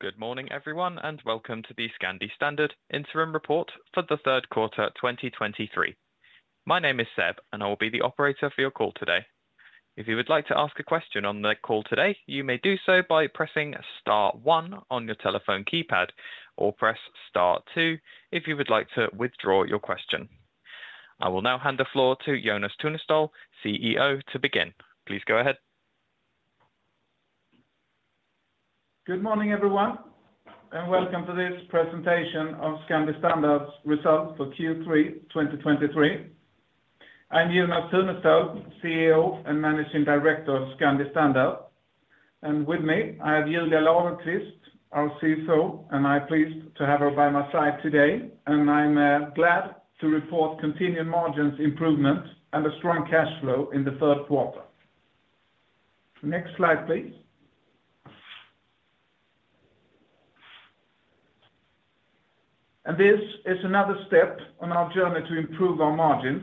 Good morning, everyone, and welcome to the Scandi Standard Interim Report for the Q3, 2023. My name is Seb, and I will be the operator for your call today. If you would like to ask a question on the call today, you may do so by pressing star one on your telephone keypad, or press star two if you would like to withdraw your question. I will now hand the floor to Jonas Tunestål, CEO, to begin. Please go ahead. Good morning, everyone, and welcome to this presentation of Scandi Standard's results for Q3 2023. I'm Jonas Tunestål, CEO and Managing Director of Scandi Standard, and with me, I have Julia Lagerqvist, our CFO, and I'm pleased to have her by my side today, and I'm glad to report continued margins improvement and a strong cash flow in the Q3. Next slide, please. This is another step on our journey to improve our margins,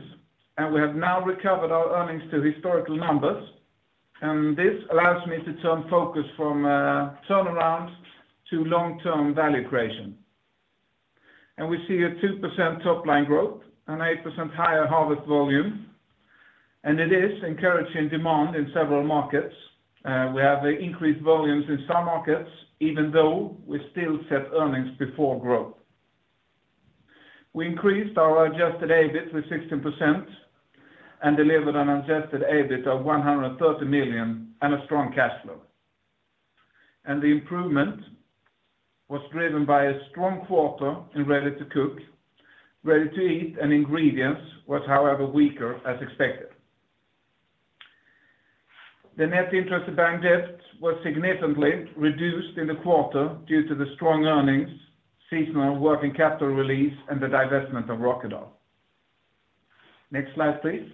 and we have now recovered our earnings to historical numbers, and this allows me to turn focus from turnaround to long-term value creation. We see a 2% top line growth and 8% higher harvest volume, and it is encouraging demand in several markets. We have increased volumes in some markets, even though we still set earnings before growth. We increased our adjusted EBIT with 16% and delivered an adjusted EBIT of 130 million and a strong cash flow. The improvement was driven by a strong quarter in Ready-to-Cook, Ready-to-Eat, and Ingredients was however, weaker, as expected. The net interest-bearing debt was significantly reduced in the quarter due to the strong earnings, seasonal working capital release, and the divestment of Rokkedahl. Next slide, please.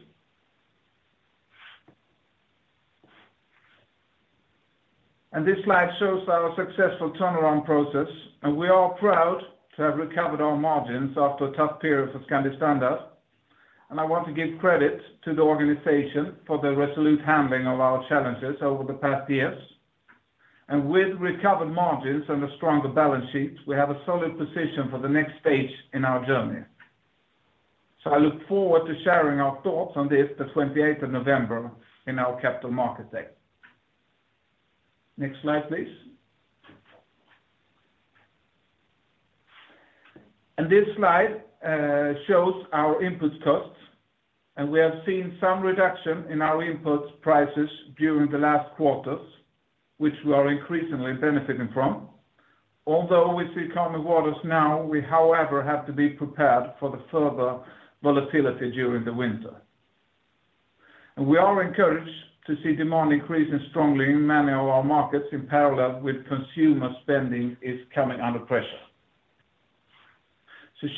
This slide shows our successful turnaround process, and we are proud to have recovered our margins after a tough period for Scandi Standard. I want to give credit to the organization for their resolute handling of our challenges over the past years. With recovered margins and a stronger balance sheet, we have a solid position for the next stage in our journey. I look forward to sharing our thoughts on this, the 28th of November in our Capital Market Day. Next slide, please. This slide shows our input costs, and we have seen some reduction in our input prices during the last quarters, which we are increasingly benefiting from. Although we see calmer waters now, we, however, have to be prepared for the further volatility during the winter. We are encouraged to see demand increasing strongly in many of our markets in parallel with consumer spending is coming under pressure.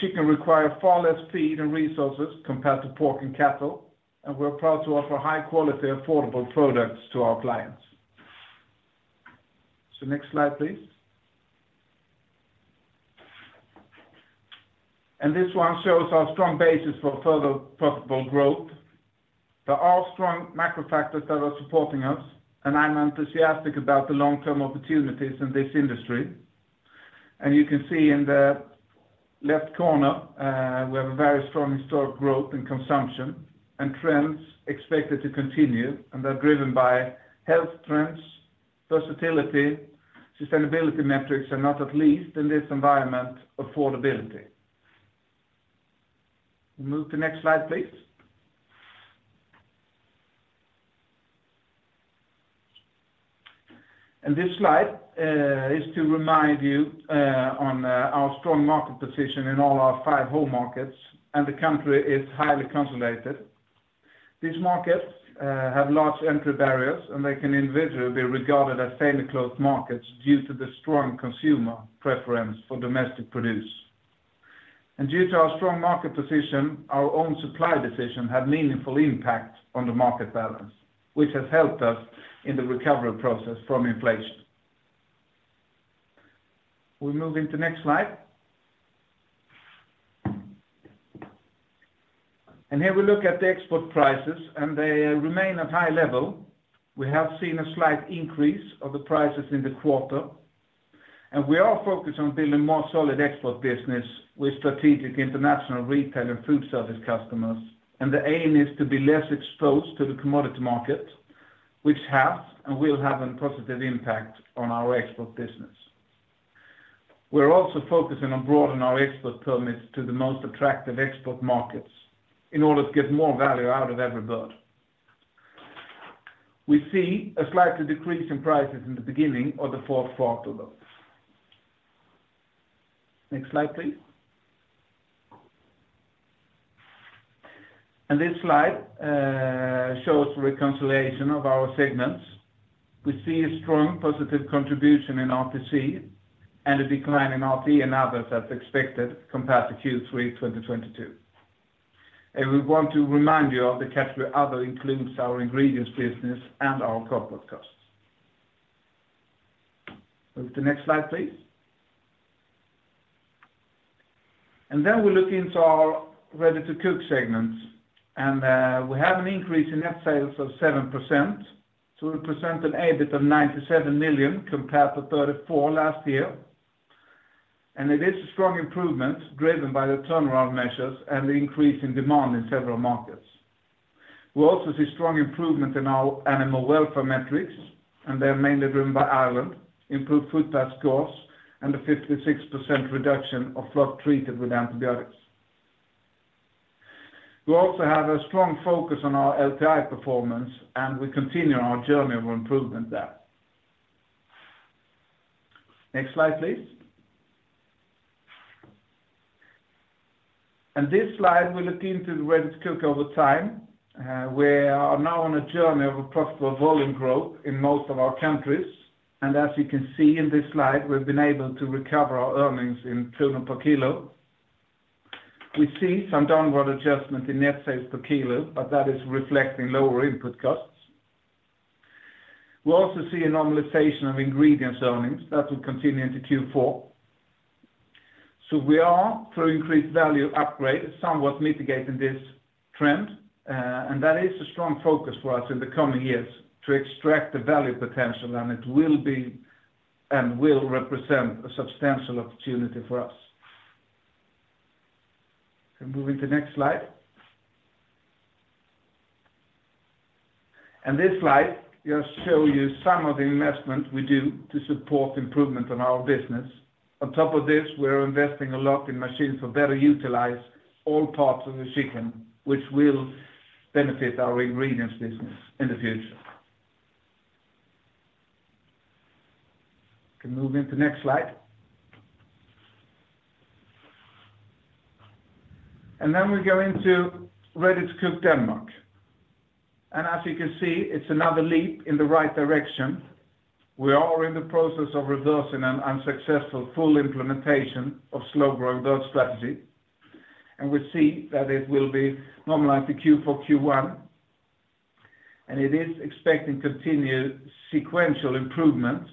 Chicken require far less feed and resources compared to pork and cattle, and we're proud to offer high quality, affordable products to our clients. Next slide, please. This one shows our strong basis for further profitable growth. There are strong macro factors that are supporting us, and I'm enthusiastic about the long-term opportunities in this industry. You can see in the left corner, we have a very strong historic growth in consumption and trends expected to continue, and they're driven by health trends, versatility, sustainability metrics, and not least in this environment, affordability. We move to next slide, please. This slide is to remind you on our strong market position in all our five whole markets, and the country is highly consolidated. These markets have large entry barriers, and they can individually be regarded as fairly closed markets due to the strong consumer preference for domestic produce. Due to our strong market position, our own supply decision had meaningful impact on the market balance, which has helped us in the recovery process from inflation. We move into next slide. Here we look at the export prices, and they remain at high level. We have seen a slight increase of the prices in the quarter, and we are focused on building more solid export business with strategic international retail and food service customers. The aim is to be less exposed to the commodity market, which has and will have a positive impact on our export business. We're also focusing on broadening our export permits to the most attractive export markets in order to get more value out of every bird. We see a slight decrease in prices in the beginning of the Q4, though. Next slide, please. This slide shows reconciliation of our segments. We see a strong positive contribution in RTEC and a decline in RTE and others as expected, compared to Q3 2022. We want to remind you of the category other includes our ingredients business and our corporate costs. Move to the next slide, please. Then we look into our ready-to-cook segments, and we have an increase in net sales of 7%, so we present an EBIT of 97 million compared to 34 million last year. It is a strong improvement, driven by the turnaround measures and the increase in demand in several markets. We also see strong improvement in our animal welfare metrics, and they are mainly driven by Ireland, improved foot pad scores, and a 56% reduction of flock treated with antibiotics. We also have a strong focus on our LTI performance, and we continue our journey of improvement there. Next slide, please. On this slide, we look into the ready to cook over time. We are now on a journey of a profitable volume growth in most of our countries, and as you can see in this slide, we've been able to recover our earnings in kilo per kilo. We see some downward adjustment in net sales per kilo, but that is reflecting lower input costs. We also see a normalization of ingredients earnings that will continue into Q4. So we are, through increased value upgrade, somewhat mitigating this trend, and that is a strong focus for us in the coming years to extract the value potential, and it will be, and will represent a substantial opportunity for us. Can we move into next slide. This slide just show you some of the investment we do to support improvement on our business. On top of this, we're investing a lot in machines for better utilize all parts of the chicken, which will benefit our ingredients business in the future. Can we move into next slide. Then we go into Ready-to-Cook Denmark. As you can see, it's another leap in the right direction. We are in the process of reversing an unsuccessful full implementation of slow-growing bird strategy, and we see that it will be normalized to Q4, Q1, and it is expecting continued sequential improvements,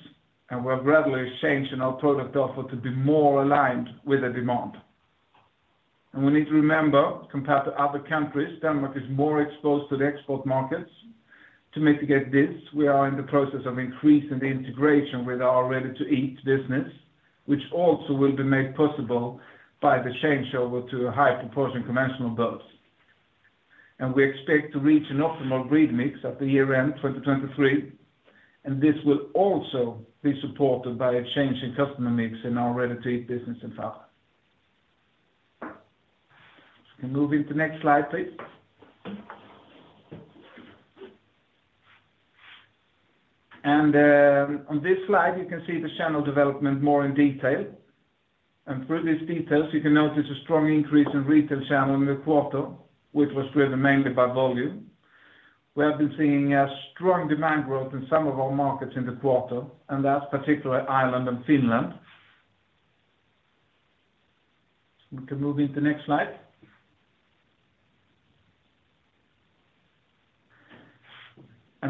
and we're gradually changing our product offer to be more aligned with the demand. We need to remember, compared to other countries, Denmark is more exposed to the export markets. To mitigate this, we are in the process of increasing the integration with our Ready-to-Eat business, which also will be made possible by the changeover to a high proportion conventional birds. We expect to reach an optimal breed mix at year-end, 2023, and this will also be supported by a change in customer mix in our Ready-to-Eat business in France. Can we move into next slide, please. On this slide, you can see the channel development more in detail. Through these details, you can notice a strong increase in retail channel in the quarter, which was driven mainly by volume. We have been seeing a strong demand growth in some of our markets in the quarter, and that's particularly Ireland and Finland. We can move into next slide.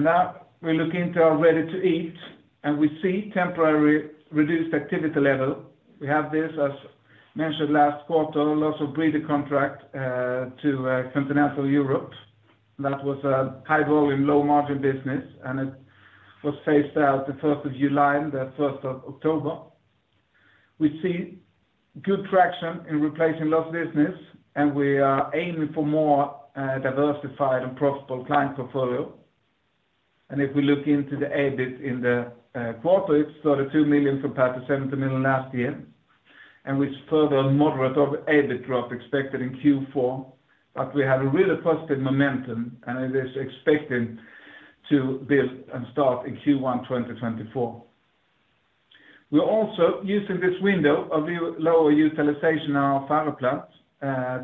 Now we look into our Ready-to-Eat, and we see temporary reduced activity level. We have this, as mentioned last quarter, loss of breeder contract to continental Europe. That was a high volume, low margin business, and it was phased out the first of July and the first of October. We see good traction in replacing lost business, and we are aiming for more diversified and profitable client portfolio. If we look into the EBIT in the quarter, it's 32 million compared to 17 million last year, and with further moderate of EBIT drop expected in Q4, but we have a really positive momentum, and it is expected to build and start in Q1 2024. We're also using this window of lower utilization in our Farre plants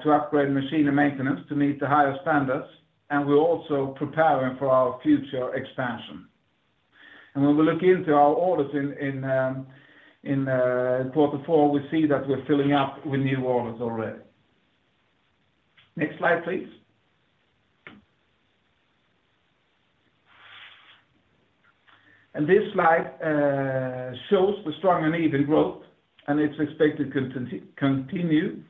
to upgrade machine and maintenance to meet the higher standards, and we're also preparing for our future expansion. When we look into our orders in quarter four, we see that we're filling up with new orders already. Next slide, please. This slide shows the strong and even growth, and it's expected to continue.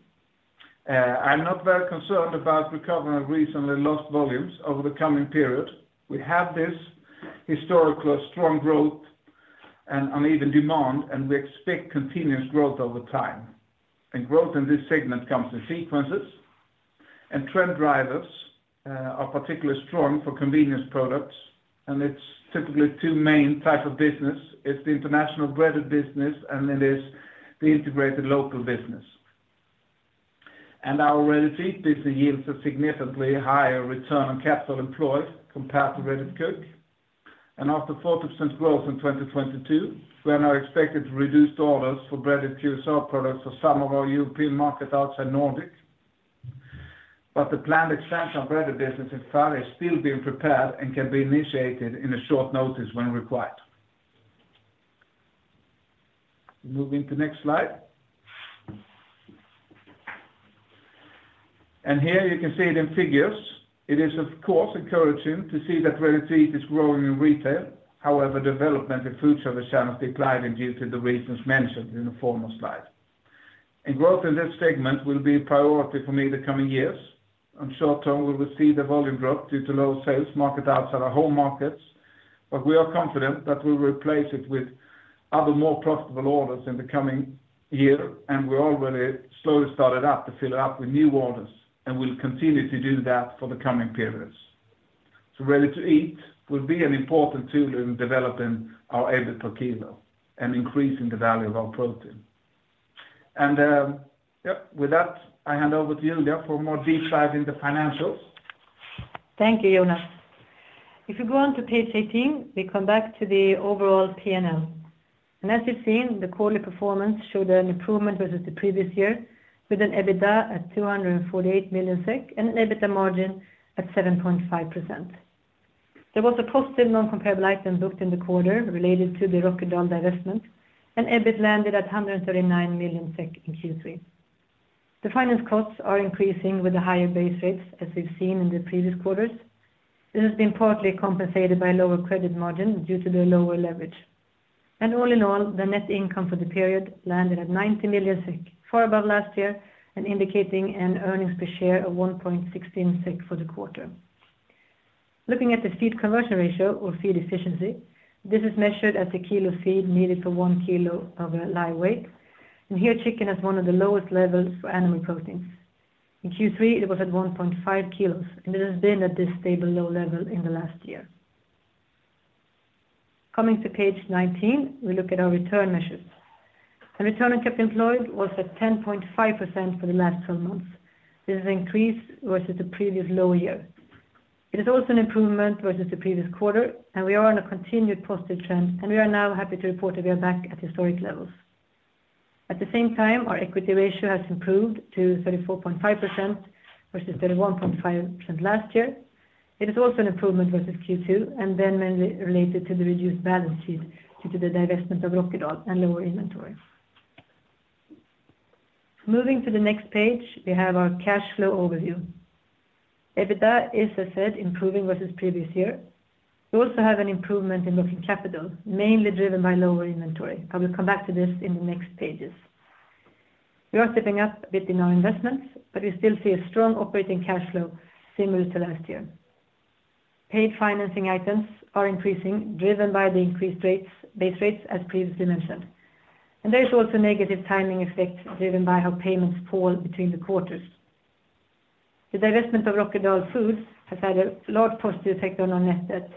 I'm not very concerned about recovery of recently lost volumes over the coming period. We have this historical strong growth and uneven demand, and we expect continuous growth over time. Growth in this segment comes in sequences, and trend drivers are particularly strong for convenience products, and it's typically two main types of business. It's the international breaded business, and it is the integrated local business. Our ready-to-eat business yields a significantly higher return on capital employed compared to ready-to-cook. After 40% growth in 2022, we are now expected to reduce the orders for breaded QSR products for some of our European market outside Nordic. The planned expansion of breaded business in France is still being prepared and can be initiated in a short notice when required. Move into next slide. Here you can see it in figures. It is, of course, encouraging to see that Ready-to-Eat is growing in retail. However, development in food service channels declined in due to the reasons mentioned in the former slide. Growth in this segment will be a priority for me in the coming years. On short term, we will see the volume growth due to low sales market outside our home markets, but we are confident that we'll replace it with other more profitable orders in the coming year, and we're already slowly started up to fill it up with new orders, and we'll continue to do that for the coming periods. So Ready-to-Eat will be an important tool in developing our EBIT per kilo and increasing the value of our protein. Yep, with that, I hand over to you, Julia, for a more deep dive in the financials. Thank you, Jonas. If you go on to page 18, we come back to the overall P&L. As you've seen, the quarterly performance showed an improvement versus the previous year, with an EBITDA at 248 million SEK, and an EBITDA margin at 7.5%. There was a positive non-comparable item booked in the quarter related to the Rokkedahl divestment, and EBIT landed at 139 million SEK in Q3. The finance costs are increasing with the higher base rates, as we've seen in the previous quarters. This has been partly compensated by lower credit margin due to the lower leverage. All in all, the net income for the period landed at 90 million SEK, far above last year, and indicating an earnings per share of 1.16 SEK for the quarter. Looking at the Feed Conversion Ratio or feed efficiency, this is measured as 1 kilo of feed needed for 1 kilo of live weight, and here, chicken has one of the lowest levels for animal proteins. In Q3, it was at 1.5 kilos, and it has been at this stable, low level in the last year. Coming to page 19, we look at our return measures. The return on capital employed was at 10.5% for the last 12 months. This is increased versus the previous low year. It is also an improvement versus the previous quarter, and we are on a continued positive trend, and we are now happy to report that we are back at historic levels. At the same time, our equity ratio has improved to 34.5%, versus 31.5% last year. It is also an improvement versus Q2, and then mainly related to the reduced balance sheet due to the divestment of Rokkedahl and lower inventory. Moving to the next page, we have our cash flow overview. EBITDA, as I said, improving versus previous year. We also have an improvement in working capital, mainly driven by lower inventory. I will come back to this in the next pages. We are stepping up a bit in our investments, but we still see a strong operating cash flow similar to last year. Paid financing items are increasing, driven by the increased rates, base rates, as previously mentioned. There is also negative timing effect driven by how payments fall between the quarters. The divestment of Rokkedahl Foods has had a large positive effect on our net debt,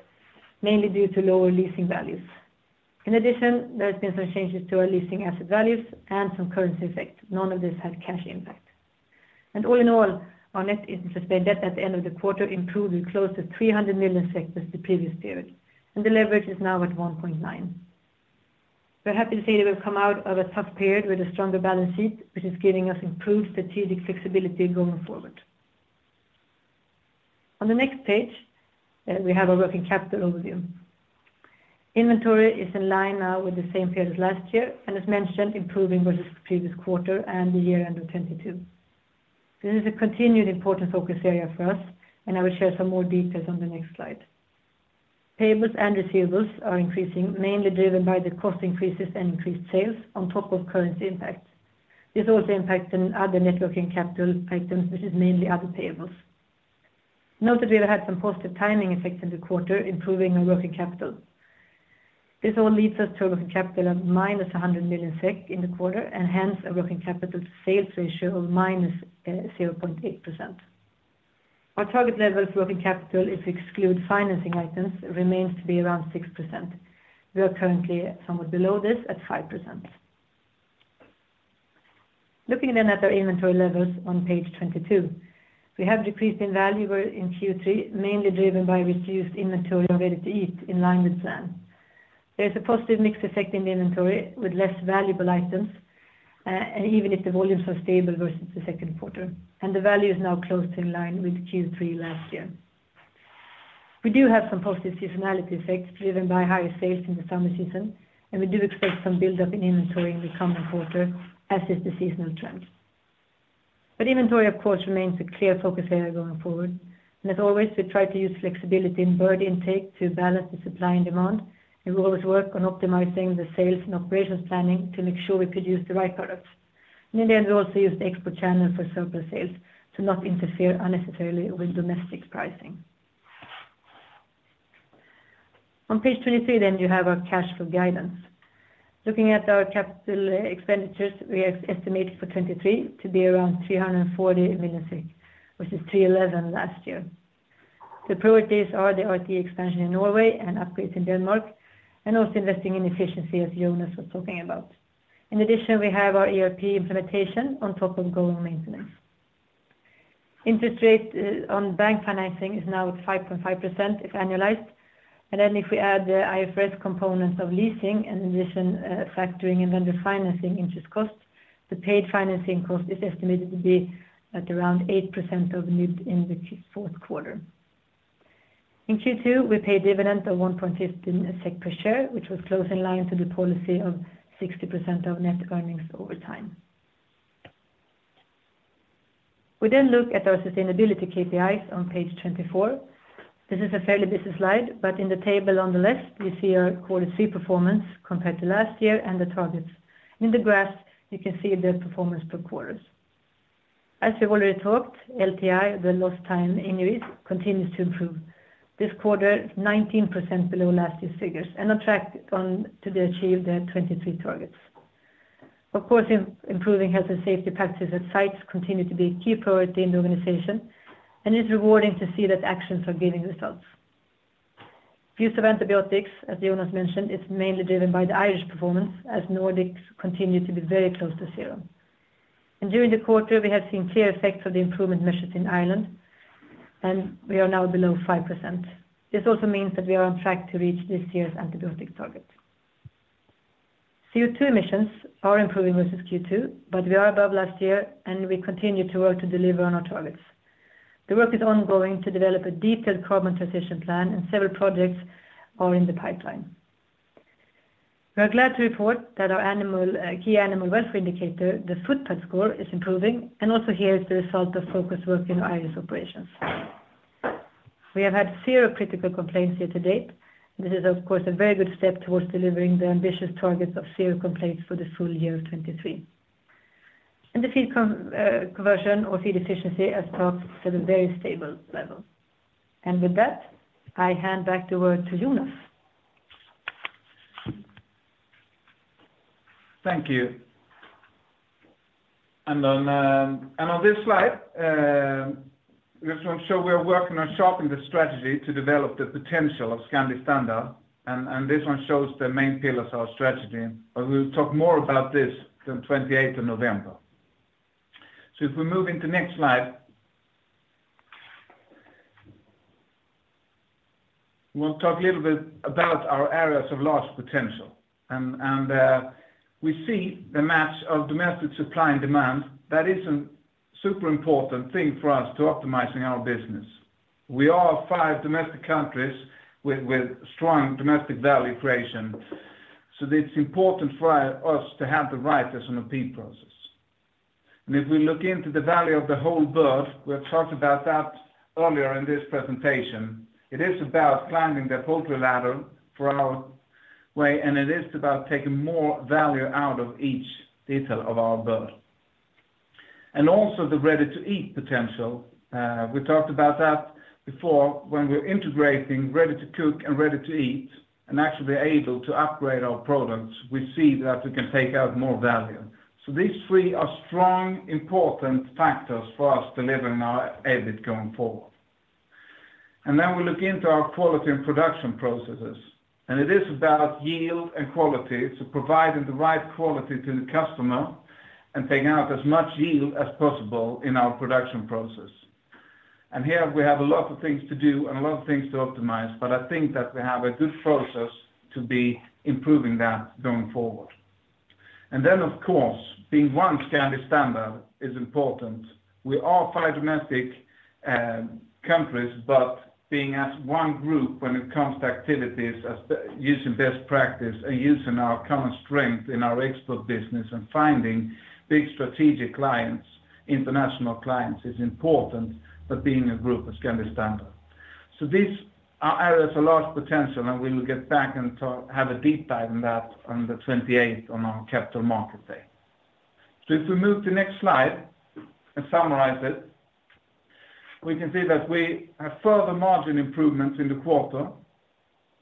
mainly due to lower leasing values. In addition, there has been some changes to our leasing asset values and some currency effects. None of this had cash impact. All in all, our net interest and debt at the end of the quarter improved with close to 300 million SEK versus the previous period, and the leverage is now at 1.9. We're happy to say that we've come out of a tough period with a stronger balance sheet, which is giving us improved strategic flexibility going forward. On the next page, we have our working capital overview. Inventory is in line now with the same period as last year, and as mentioned, improving versus the previous quarter and the year end of 2022. This is a continued important focus area for us, and I will share some more details on the next slide. Payables and receivables are increasing, mainly driven by the cost increases and increased sales on top of currency impact. This also impacts in other net working capital items, which is mainly other payables. Note that we have had some positive timing effects in the quarter, improving our working capital. This all leads us to a working capital of [SEK 90 to 100 million] in the quarter. Hence, a working capital to sales ratio of -0.8%. Our target level for working capital, if you exclude financing items, remains to be around 6%. We are currently somewhat below this at 5%. Looking then at our inventory levels on page 22, we have decreased in value in Q3, mainly driven by reduced inventory on Ready-to-Eat, in line with plan. There's a positive mix effect in the inventory with less valuable items, and even if the volumes are stable versus the Q2, and the value is now close to in line with Q3 last year. We do have some positive seasonality effects driven by higher sales in the summer season, and we do expect some buildup in inventory in the coming quarter, as is the seasonal trend. Inventory, of course, remains a clear focus area going forward. As always, we try to use flexibility in bird intake to balance the supply and demand. We will always work on optimizing the sales and operations planning to make sure we produce the right products. In the end, we also use the export channel for surplus sales to not interfere unnecessarily with domestic pricing. On page 23, then you have our cash flow guidance. Looking at our capital expenditures, we estimate for 2023 to be around 340 million, which is 311 million last year. The priorities are the RTE expansion in Norway and upgrades in Denmark, and also investing in efficiency, as Jonas was talking about. In addition, we have our ERP implementation on top of ongoing maintenance. Interest rate on bank financing is now at 5.5%, if annualized. Then if we add the IFRS components of leasing, in addition, factoring and then the financing interest cost, the paid financing cost is estimated to be at around 8% of NIBD in Q4. In Q2, we paid dividend of 1.15 SEK per share, which was close in line to the policy of 60% of net earnings over time. We then look at our sustainability KPIs on page 24. This is a fairly busy slide, but in the table on the left, you see our quarter three performance compared to last year and the targets. In the graph, you can see the performance per quarters. As we've already talked, LTI, the Lost Time Injuries, continues to improve. This quarter, 19% below last year's figures and on track to achieve the 2023 targets. Of course, improving health and safety practices at sites continue to be a key priority in the organization, and it's rewarding to see that actions are giving results. Use of antibiotics, as Jonas mentioned, is mainly driven by the Irish performance, as Nordics continue to be very close to zero. During the quarter, we have seen clear effects of the improvement measures in Ireland, and we are now below 5%. This also means that we are on track to reach this year's antibiotic target. CO2 emissions are improving versus Q2, but we are above last year, and we continue to work to deliver on our targets. The work is ongoing to develop a detailed carbon transition plan, and several projects are in the pipeline. We are glad to report that our animal, key animal welfare indicator, the Foot Pad Score, is improving and also here is the result of focused work in Irish operations. We have had zero critical complaints here to date. This is, of course, a very good step towards delivering the ambitious targets of zero complaints for the full year of 2023. The feed con, conversion or feed efficiency, as talked, is at a very stable level. With that, I hand back the word to Jonas. Thank you, and on this slide, this one shows we are working on sharpening the strategy to develop the potential of Scandi Standard, and this one shows the main pillars of our strategy, but we'll talk more about this the 28th of November. If we move into next slide, we'll talk a little bit about our areas of large potential, and we see the match of domestic supply and demand. That is a super important thing for us to optimizing our business. We are five domestic countries with strong domestic value creation, so it's important for us to have the right S&OP process. If we look into the value of the whole bird, we have talked about that earlier in this presentation. It is about climbing the poultry ladder for our way, and it is about taking more value out of each detail of our bird. Also the ready-to-eat potential, we talked about that before. When we're integrating ready-to-cook and ready-to-eat and actually able to upgrade our products, we see that we can take out more value. So these three are strong, important factors for us delivering our EBIT going forward. Then we look into our quality and production processes, and it is about yield and quality, so providing the right quality to the customer and taking out as much yield as possible in our production process. Here we have a lot of things to do and a lot of things to optimize, but I think that we have a good process to be improving that going forward. Then, of course, being one Scandi Standard is important. We are five domestic countries, but being as one group when it comes to activities, as using best practice and using our current strength in our export business and finding big strategic clients, international clients, is important for being a group of Scandi Standard. So these are areas of large potential, and we will get back and talk, have a deep dive in that on the 28th on our Capital Market Day. So if we move to next slide and summarize it, we can see that we have further margin improvements in the quarter.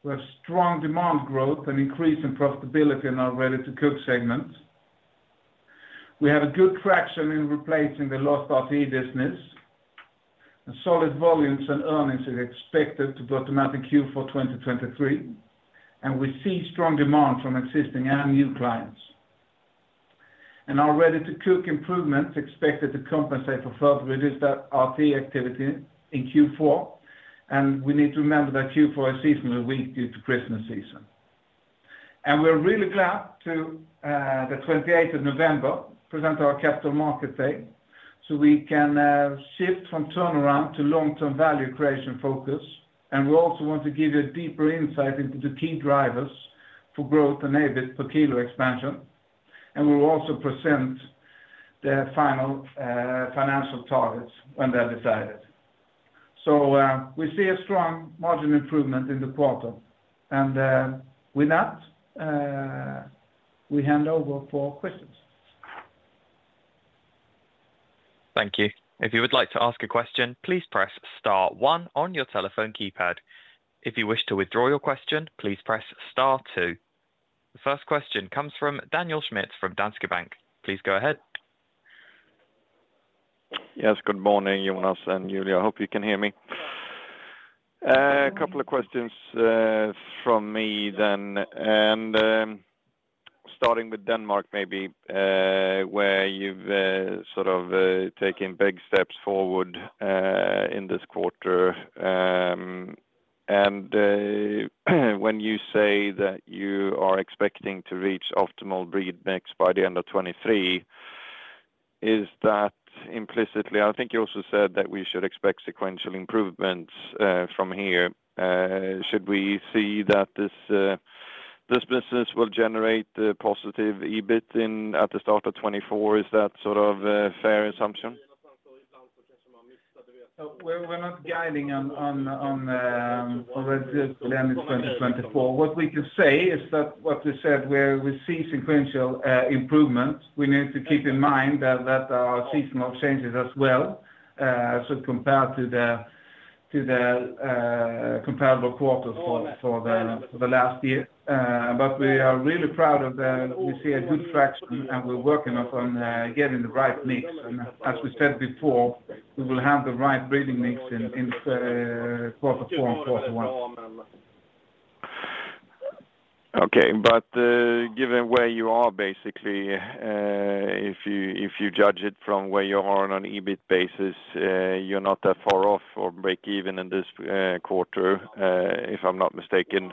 We have strong demand growth and increase in profitability in our ready-to-cook segment. We have a good traction in replacing the lost RTE business, and solid volumes and earnings is expected to automatically Q4 2023, and we see strong demand from existing and new clients. Our Ready-to-Cook improvements expected to compensate for further reduced RTE activity in Q4, and we need to remember that Q4 is seasonally weak due to Christmas season. We're really glad to, the 28th of November, present our Capital Market Day, so we can, shift from turnaround to long-term value creation focus. We also want to give you a deeper insight into the key drivers for growth and EBIT per kilo expansion, and we will also present the final, financial targets when they're decided. So, we see a strong margin improvement in the quarter, and, with that, we hand over for questions. Thank you. If you would like to ask a question, please press star one on your telephone keypad. If you wish to withdraw your question, please press star two. The first question comes from Daniel Schmidt, from Danske Bank. Please go ahead. Yes, good morning, Jonas and Julia. I hope you can hear me. Couple of questions from me then, and starting with Denmark, maybe, where you've taken big steps forward in this quarter. When you say that you are expecting to reach optimal breed mix by the end of 2023... is that implicitly, I think you also said that we should expect sequential improvements from here. Should we see that this this business will generate a positive EBIT in at the start of 2024? Is that a fair assumption? So we're not guiding on the end of 2024. What we can say is that what we said, where we see sequential improvement, we need to keep in mind that our seasonal changes as well, so compared to the comparable quarters for the last year. We are really proud of that. We see a good traction, and we're working on getting the right mix. As we said before, we will have the right breed mix in quarter four and quarter one. Okay. Given where you are, basically, if you judge it from where you are on an EBIT basis, you're not that far off or break even in this quarter, if I'm not mistaken.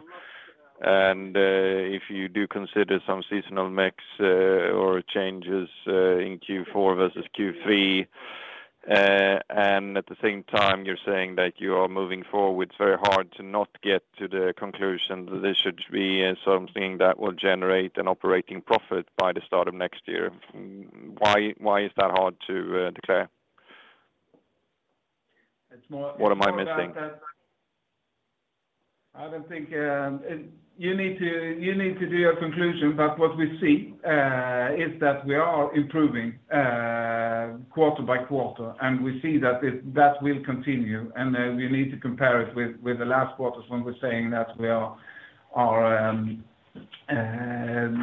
If you do consider some seasonal mix or changes in Q4 versus Q3, and at the same time, you're saying that you are moving forward, it's very hard to not get to the conclusion that this should be something that will generate an operating profit by the start of next year. Why is that hard to declare? It's more- What am I missing? I don't think you need to do your conclusion, but what we see is that we are improving quarter by quarter, and we see that that will continue, and we need to compare it with the last quarter when we're saying that we are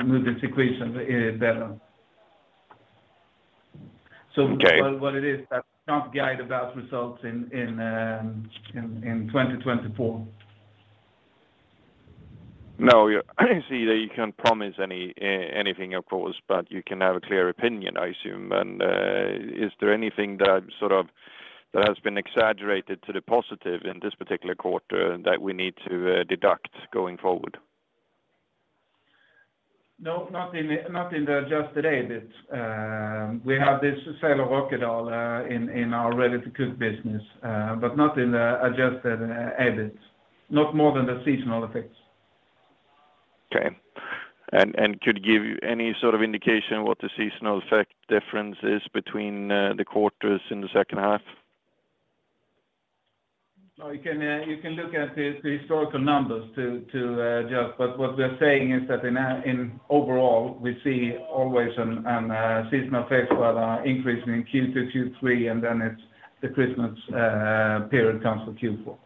moving sequentially better. Okay. What it is, that not guide about results in 2024. No, you see that you can't promise anything, of course, but you can have a clear opinion, I assume. Is there anything that has been exaggerated to the positive in this particular quarter that we need to, deduct going forward? No, not in the adjusted EBIT. We have this sale of Rokkedahl in our ready to cook business, but not in the adjusted EBIT, not more than the seasonal effects. Okay. Could you give any indication what the seasonal effect difference is between the quarters in the H2? No, you can look at the historical numbers to judge, but what we're saying is that overall, we see always a seasonal effect for the increase in Q2, Q3, and then it's the Christmas period comes for Q4.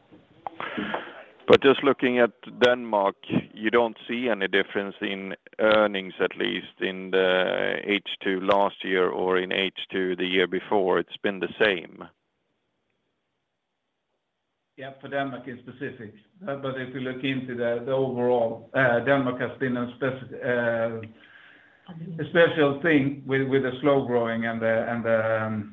Looking at Denmark, you don't see any difference in earnings, at least in the H2 last year or in H2 the year before, it's been the same? Yeah, for Denmark in specific. If you look into the overall, Denmark has been a special thing with the slow growing and the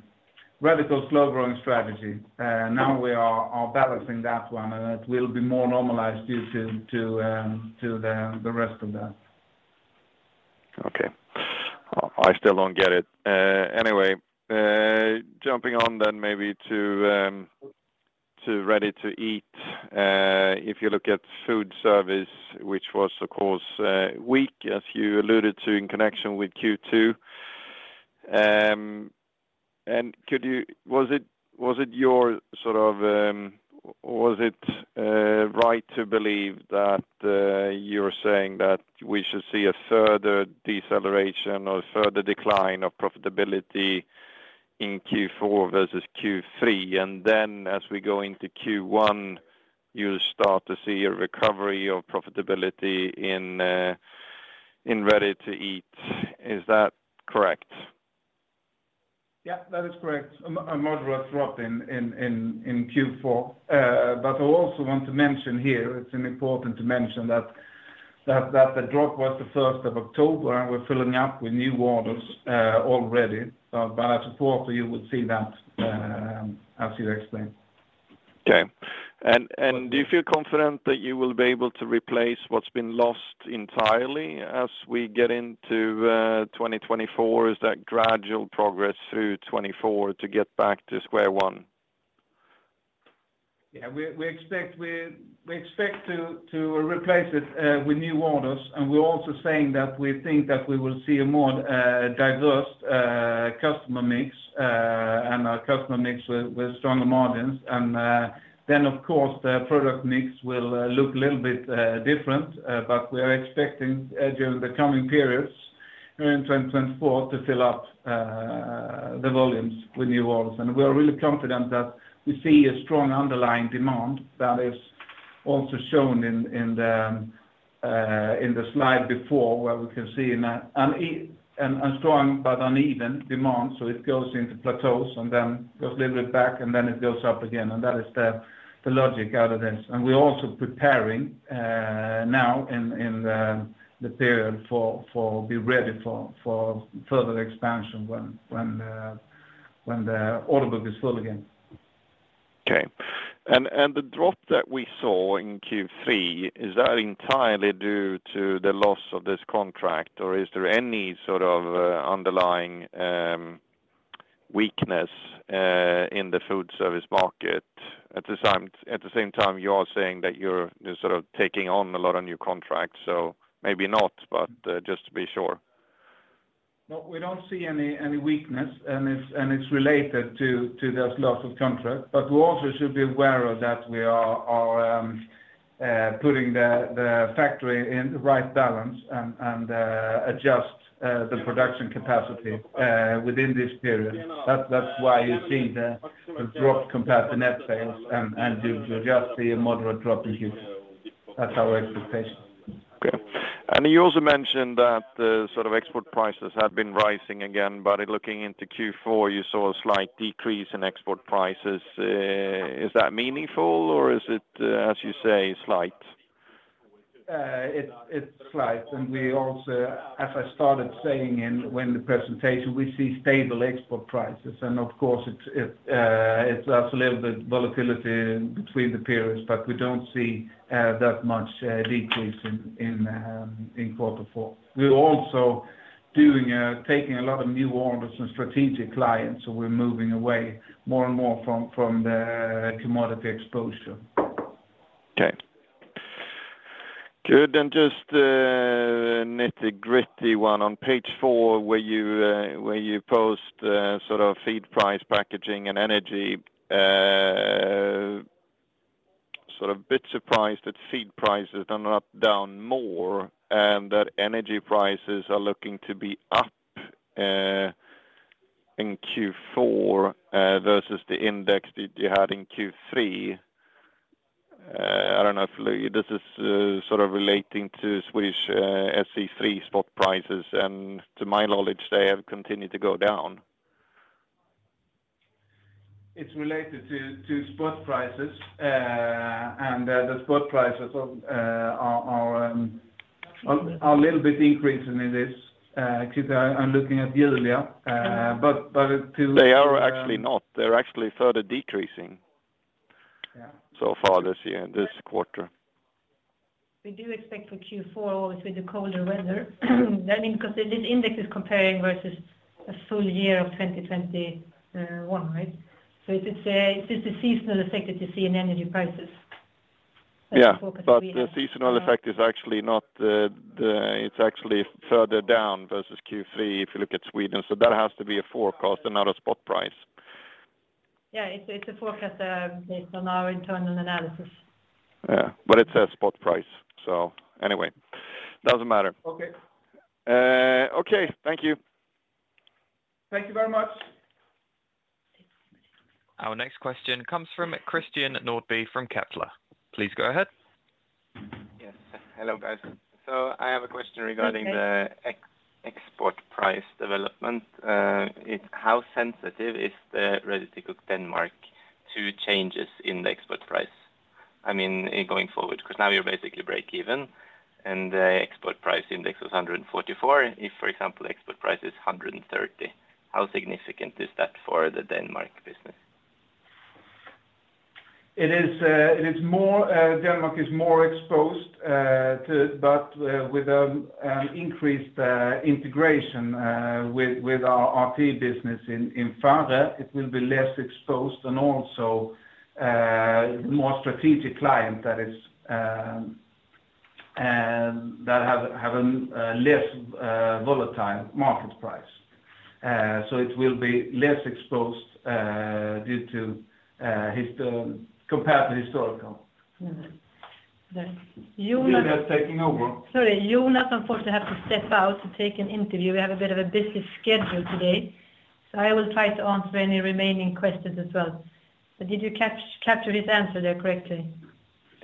radical slow growing strategy. Now we are balancing that one, and it will be more normalized due to the rest of that. Okay. I still don't get it. Anyway, jumping on then maybe to Ready-to-Eat, if you look at food service, which was, of course, weak, as you alluded to in connection with Q2. Could you... Was it your, was it right to believe that you're saying that we should see a further deceleration or a further decline of profitability in Q4 versus Q3, and then as we go into Q1, you'll start to see a recovery of profitability in Ready-to-Eat. Is that correct? Yeah, that is correct. A moderate drop in Q4. I also want to mention here, it's important to mention that the drop was the first of October, and we're filling up with new orders already. I thought you would see that as you explained. Okay. Do you feel confident that you will be able to replace what's been lost entirely as we get into 2024? Is that gradual progress through 2024 to get back to square one? Yeah, we expect to replace it with new orders, and we're also saying that we think that we will see a more diverse customer mix and a customer mix with stronger margins. Then, of course, the product mix will look a little bit different, but we are expecting during the coming periods in 2024 to fill up the volumes with new orders. We are really confident that we see a strong underlying demand that is also shown in the slide before, where we can see a strong but uneven demand. So it goes into plateaus, and then goes a little bit back, and then it goes up again, and that is the logic out of this. We're also preparing now in the period to be ready for further expansion when the order book is full again. Okay. The drop that we saw in Q3, is that entirely due to the loss of this contract, or is there any underlying weakness in the food service market? At the same time, you are saying that you're taking on a lot of new contracts, so maybe not, but just to be sure. No, we don't see any weakness, and it's related to this loss of contract. We also should be aware that we are putting the factory in the right balance and adjust the production capacity within this period. That's why you see the drop compared to net sales, and you just see a moderate drop in Q4. That's our expectation. Okay. You also mentioned that the export prices had been rising again, but in looking into Q4, you saw a slight decrease in export prices. Is that meaningful or is it, as you say, slight? It's slight. We also, as I started saying in the presentation, we see stable export prices, and of course, it's also a little bit volatility between the periods, but we don't see that much decrease in quarter four. We're also taking a lot of new orders from strategic clients, so we're moving away more and more from the commodity exposure. Okay. Good, and just, nitty-gritty one. On page four, where you post feed price, packaging, and energy, a bit surprised that feed prices are not down more, and that energy prices are looking to be up, in Q4, versus the index that you had in Q3. I don't know if this is relating to Swedish, SE3 spot prices, and to my knowledge, they have continued to go down. It's related to spot prices, and the spot prices are a little bit increasing in this. Actually, I'm looking at yearly, but to- They are actually not. They're actually further decreasing- Yeah So far this year, this quarter. We do expect for Q4 with the colder weather. I mean, because this index is comparing versus a Full Year of 2021, right? So it is, it's a seasonal effect that you see in energy prices. Yeah, but the seasonal effect is actually not the, it's actually further down versus Q3, if you look at Sweden. So that has to be a forecast and not a spot price. Yeah, it's a forecast based on our internal analysis. Yeah, but it says spot price. So anyway, doesn't matter. Okay. Okay, thank you. Thank you very much. Our next question comes from Christian Nordby from Kepler. Please go ahead. Yes. Hello, guys. So I have a question regarding the ex-export price development. It's how sensitive is the ready to cook Denmark to changes in the export price? I mean, in going forward, because now you're basically breakeven, and the export price index was 144. If, for example, export price is 130, how significant is that for the Denmark business? It is more, Denmark is more exposed to... but with an increased integration with our RTE business in France, it will be less exposed and also more strategic client that is and that have a less volatile market price. So it will be less exposed due to historical compared to historical. Mm-hmm. Right. Jonas- Julia is taking over. Sorry, Jonas, unfortunately, have to step out to take an interview. We have a bit of a busy schedule today, so I will try to answer any remaining questions as well. Did you capture his answer there correctly?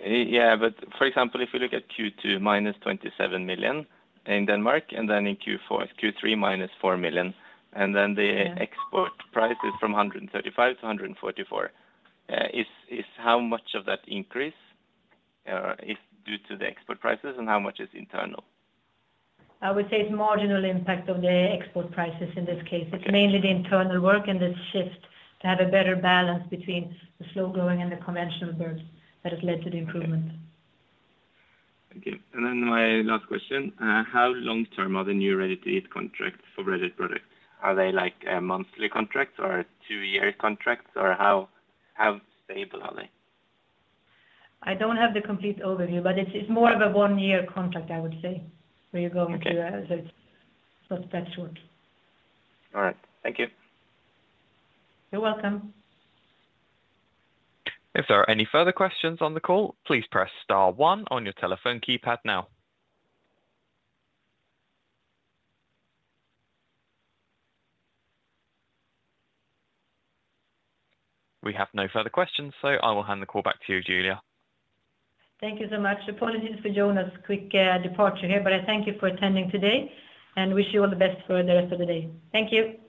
Yeah, but for example, if you look at Q2, -27 million in Denmark, and then in Q4, Q3, -4 million, and then the export price is from 135 to 144. How much of that increase is due to the export prices and how much is internal? I would say it's marginal impact of the export prices in this case. It's mainly the internal work and the shift to have a better balance between the slow-growing and the conventional birds that has led to the improvement. Thank you. Then my last question, how long term are the new ready-to-eat contracts for ready products? Are they, like, monthly contracts or two-year contracts, or how stable are they? I don't have the complete overview, but it's more of a one-year contract, I would say, where you're going to, so that's short. All right. Thank you. You're welcome. If there are any further questions on the call, please press star one on your telephone keypad now. We have no further questions, so I will hand the call back to you, Julia. Thank you so much. Apologies for Jonas' quick departure here, but I thank you for attending today, and wish you all the best for the rest of the day. Thank you.